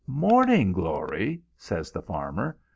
"'Morning glory!' says the farmer.